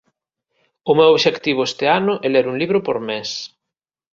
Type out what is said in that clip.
O meu obxectivo este ano é ler un libro por mes